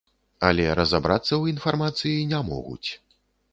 Але разабрацца ў інфармацыі не могуць.